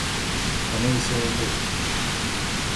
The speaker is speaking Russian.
Оно висело в воздухе.